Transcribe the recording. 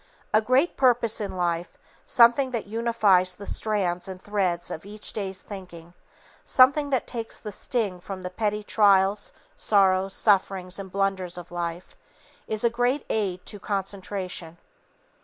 A great purpose in life, something that unifies the strands and threads of each day's thinking, something that takes the sting from the petty trials, sorrows, sufferings and blunders of life, is a great aid to Concentration.